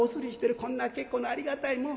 こんな結構なありがたいもん」。